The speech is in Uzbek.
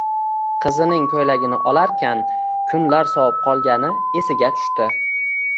Qizining ko`ylagini olarkan, kunlar sovib qolgani esiga tushdi